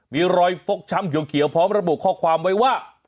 มีรอยฟกช้ำเขียวพร้อมระบุข้อความไว้ว่า